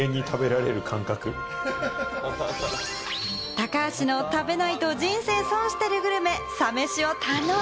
高橋の食べないと人生損してるグルメ、サ飯を堪能。